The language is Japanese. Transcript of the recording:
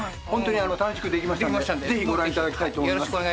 ホントに楽しくできましたんでぜひご覧いただきたいと思います。